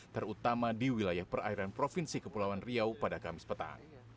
terutama di wilayah perairan provinsi kepulauan riau pada kamis petang